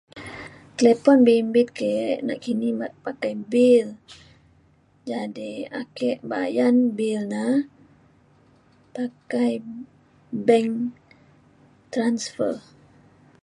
talipon bimbit ke nakini pakai bil jadi ake bayan bil na pakai bank transfer.